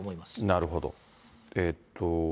なるほど。